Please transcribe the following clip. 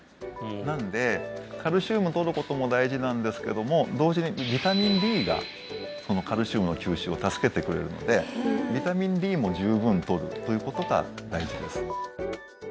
なのでカルシウムとることも大事なんですけども同時にビタミンＤがそのカルシウムの吸収を助けてくれるのでビタミンＤも十分とるということが大事です